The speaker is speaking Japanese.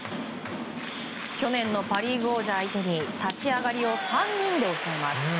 去年のパ・リーグ王者相手に立ち上がりを３人で抑えます。